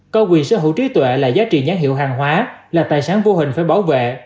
có quyền sở hữu trí tuệ là giá trị nhãn hiệu hàng hóa là tài sản vô hình phải bảo vệ